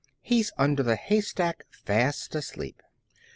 He's under the haystack, fast asleep!